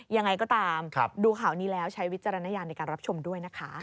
ยังไงก็ตามดูข่าวนี้แล้วใช้วิจารณญาณในการรับชมด้วยนะคะ